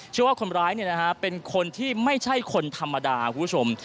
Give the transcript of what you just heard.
ชื่อว่าคนร้ายเป็นคนที่ไม่ใช่คนธรรมดาคุณผู้ชม